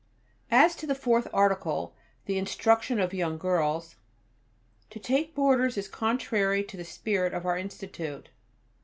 As to the Fourth Article, the instruction of young girls. To take boarders is contrary to the spirit of our Institute.